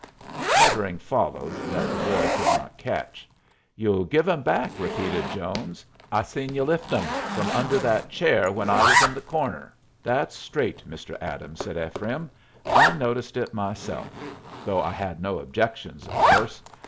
Muttering followed that the boy could not catch. "You'll give 'em back," repeated Jones. "I seen y'u lift 'em from under that chair when I was in the corner." "That's straight, Mr. Adams," said Ephraim. "I noticed it myself, though I had no objections, of course.